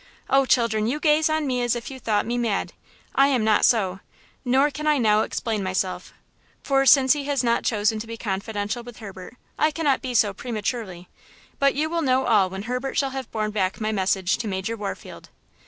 Oh, children, you gaze on me as if you thought me mad. I am not so; nor can I now explain myself, for, since he has not chosen to be confidential with Herbert, I cannot be so prematurely; but you will know all when Herbert shall have borne back my message to Major Warfield."